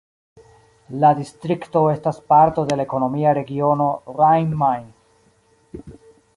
La distrikto estas parto de la ekonomia regiono Rhein-Main.